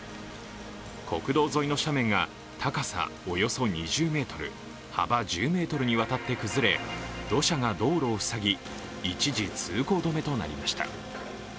国道沿いの斜面が高さおよそ２０ｍ、幅１０ｍにわたって崩れ、土砂が道路を塞ぎ一時通行止めとなりました。